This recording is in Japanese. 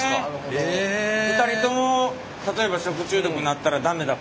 ２人とも例えば食中毒になったら駄目だから。